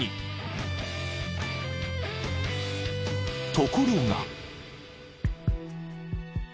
［ところが］